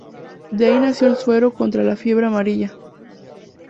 De ahí nació el suero contra la fiebre amarilla.